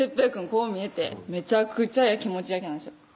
こう見えてめちゃくちゃやきもち焼きなんですよ